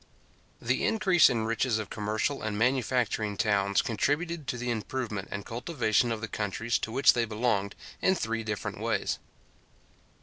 The increase and riches of commercial and manufacturing towns contributed to the improvement and cultivation of the countries to which they belonged, in three different ways.